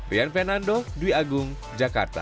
rian fernando dwi agung jakarta